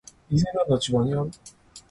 ディズニーランドは千葉にある。